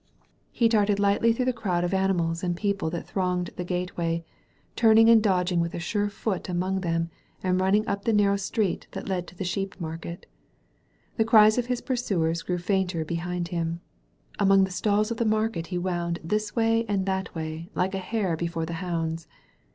He darted li^^tly through the crowd of animals and people that thronged the gateway, turning and dodging with a suie foot among them and run ning up the narrow street that led to the sheep market. The cries of his pursuers grew fainter behind him. Among the stalls of the market he wound this way and that way like a hare before the hounds.